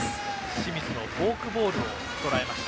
清水のフォークボールをとらえました。